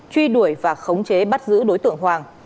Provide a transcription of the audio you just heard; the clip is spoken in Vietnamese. truy đuổi và khống chế bắt giữ đối tượng hoàng